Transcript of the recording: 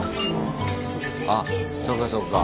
あそうかそうか。